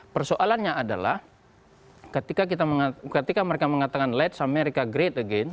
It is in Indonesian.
persoalannya adalah ketika mereka mengatakan let's america great again